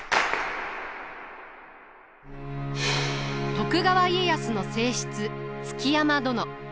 徳川家康の正室築山殿。